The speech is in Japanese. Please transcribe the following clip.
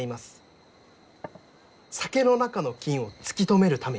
酒の中の菌を突き止めるために。